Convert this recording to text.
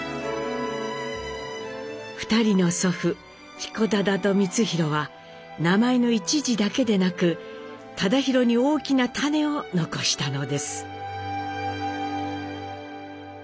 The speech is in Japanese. ２人の祖父彦忠と光宏は名前の一字だけでなく忠宏に大きな種を残したのです。